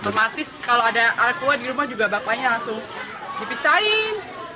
otomatis kalau ada al quran di rumah juga bapaknya langsung dipisahin